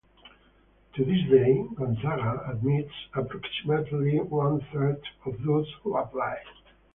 To this day, Gonzaga admits approximately one third of those who apply.